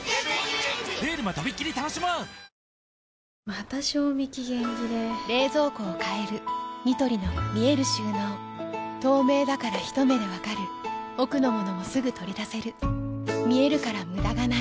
また賞味期限切れ冷蔵庫を変えるニトリの見える収納透明だからひと目で分かる奥の物もすぐ取り出せる見えるから無駄がないよし。